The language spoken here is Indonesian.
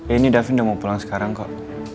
ini david udah mau pulang sekarang kok